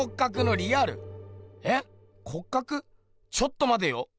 ちょっとまてよ。